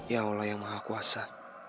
ya allah yang maha kuasa